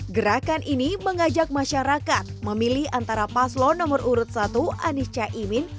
gerakan ini mengajak masyarakat memilih antara paslon nomor urut satu anies caimin